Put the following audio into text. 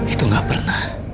itu gak pernah